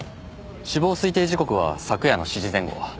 死亡推定時刻は昨夜の７時前後。